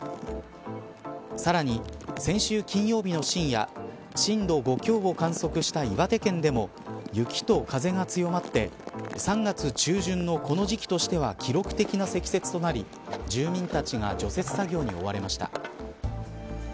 さらに先週金曜日の深夜震度５強を観測した岩手県でも雪と風が強まって３月中旬のこの時期としては記録的な積雪となり住民たちが除雪作業に追われました。